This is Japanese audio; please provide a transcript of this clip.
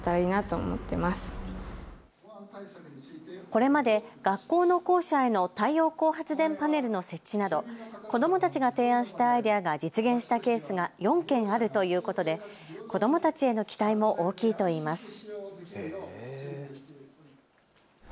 これまで学校の校舎への太陽光発電パネルの設置など子どもたちが提案したアイデアが実現したケースが４件あるということで子どもたちへの期待も大きいといいます。